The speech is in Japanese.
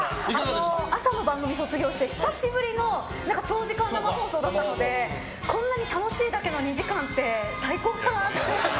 朝の番組を卒業して久しぶりの長時間生放送だったのでこんなに楽しいだけの２時間って最高だなって。